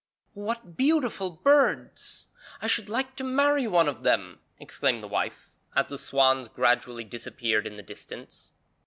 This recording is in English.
'What beautiful birds! I should like to marry one of them!' exclaimed the wife, as the swans gradually disappeared in the distance.